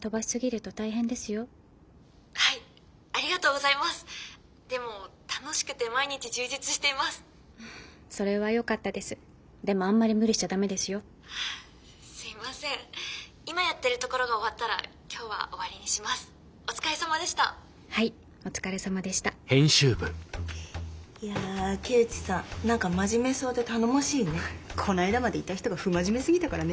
こないだまでいた人が不真面目すぎたからね。